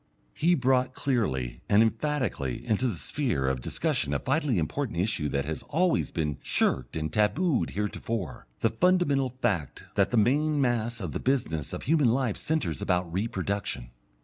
He brought clearly and emphatically into the sphere of discussion a vitally important issue that had always been shirked and tabooed heretofore, the fundamental fact that the main mass of the business of human life centres about reproduction.